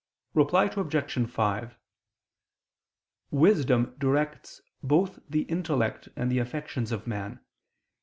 Reply Obj. 5: Wisdom directs both the intellect and the affections of man.